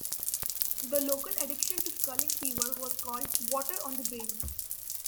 The local addiction to sculling fever was called "water on the brain".